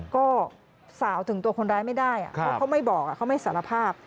ก็สาวถึงตัวคนร้ายไม่ได้เพราะเขาไม่บอกเขาไม่สารภาพ